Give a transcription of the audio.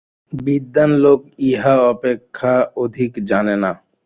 বিদ্বান লোক ইহা অপেক্ষা অধিক জানে না।